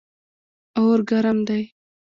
اور ګرم دی.